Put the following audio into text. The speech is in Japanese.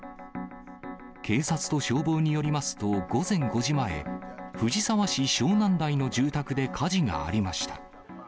警察と消防によりますと、午前５時前、藤沢市湘南台の住宅で火事がありました。